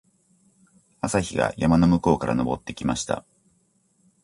朝日が山の向こうから昇ってきました。